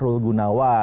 yaitu sahrul gunawan